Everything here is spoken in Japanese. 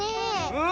うん！